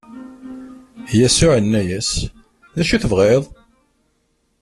Yasuɛ inna-as: D acu i tebɣiḍ?